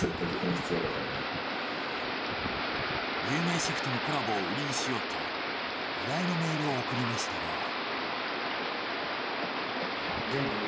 有名シェフとのコラボをウリにしようと依頼のメールを送りましたが。